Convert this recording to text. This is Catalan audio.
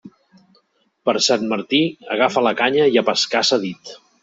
Per Sant Martí, agafa la canya i a pescar s'ha dit.